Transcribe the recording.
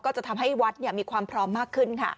จะทำให้วัดมีความพร้อมมากขึ้นค่ะ